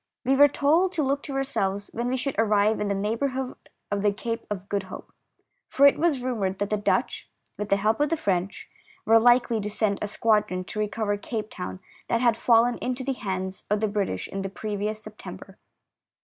We were told to look to our selves when we should arrive in the neigh bourhood of the Cape of Good Hope, for it was rumoured that the Dutch, with the help of the French, were likely to send a squadron to recover Cape Town, that had fallen into the hands of the British in the previous September.